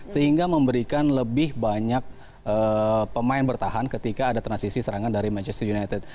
sehingga memberikan lebih banyak pemain bertahan ketika ada transisi serangan dari manchester united